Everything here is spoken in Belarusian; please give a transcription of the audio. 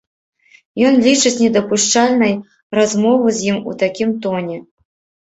Ён лічыць недапушчальнай размову з ім у такім тоне.